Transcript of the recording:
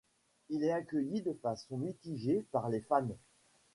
Il est accueilli de façon mitigée par les fans.